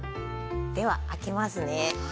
では開けますね。